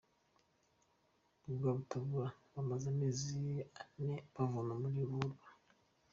Rwabutabura Bamaze amezi ane bavoma muri ruhurura